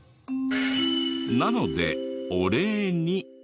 なのでお礼に。